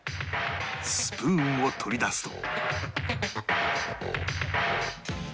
スプーンを取り出すと